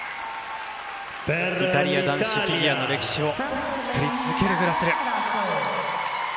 イタリア男子フィギュアの歴史を作り続けるグラスル。